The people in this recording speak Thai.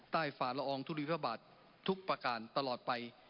ใต้ฝ่าร้องทุลิพาบาททุกประการตลอดไป